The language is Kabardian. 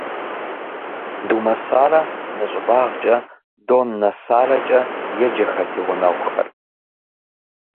Думэсарэ нэщӏыбагъкӏэ «Доннэ Саракӏэ» еджэхэрт и гъунэгъухэр.